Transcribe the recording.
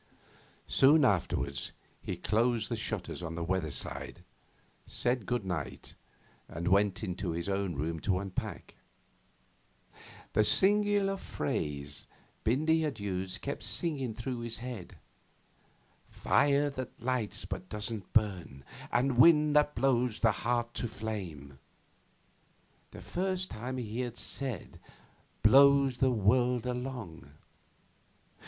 Soon afterwards he closed the shutters on the weather side, said good night, and went into his own room to unpack. The singular phrase Bindy had used kept singing through his head: 'Fire that lights but doesn't burn, and wind that blows the heart to flame' the first time he had said 'blows the world along.